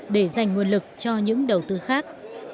để dành nguồn lực cho những đầu tư khác